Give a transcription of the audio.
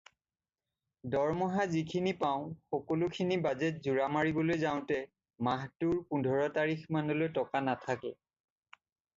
দৰমহা যিখিনি পাওঁ সকলোখিনি বাজেট জোৰা মাৰিবলৈ যাওঁতে মাহটোৰ পোন্ধৰ তাৰিখ মানলৈ টকা নাথাকে।